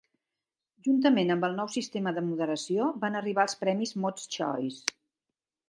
Juntament amb el nou sistema de moderació van arribar els premis Mod's Choice.